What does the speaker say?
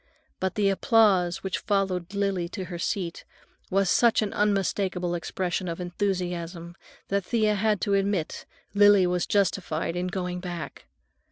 But the applause which followed Lily to her seat was such an unmistakable expression of enthusiasm that Thea had to admit Lily was justified in going back.